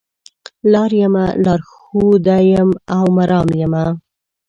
لار یمه لار ښوده او مرام یمه